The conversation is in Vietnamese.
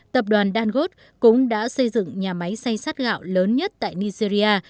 tập đoàn dagot cũng đã xây dựng nhà máy xây sát gạo lớn nhất tại nigeria